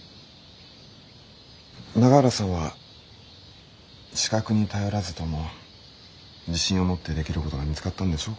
永浦さんは資格に頼らずとも自信を持ってできることが見つかったんでしょう